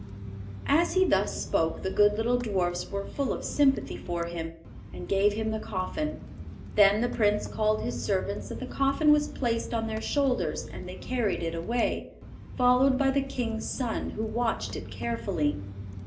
As he thus spoke the good little dwarfs were full of sympathy for him, and gave him the coffin. Then the prince called his servants, and the coffin was placed on their shoulders, and they carried it away, followed by the king's son, who watched it carefully.